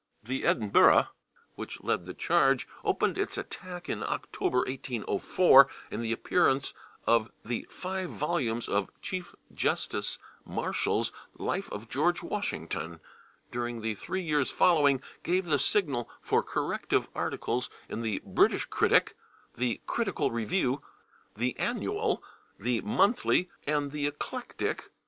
The /Edinburgh/, which led the charge, opened its attack in October, 1804, and the appearance of the five volumes of Chief Justice Marshall's "Life of George Washington," during the three years following, gave the signal for corrective articles in the /British Critic/, the /Critical Review/, the /Annual/, the /Monthly/ and the /Eclectic